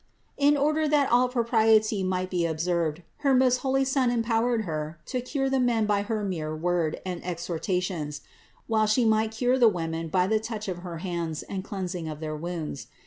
In order that all propriety might be observed, her most holy Son empow ered Her to cure the men by her mere word and exhorta tions; while She might cure the women by the touch of her hands and cleansing their wounds.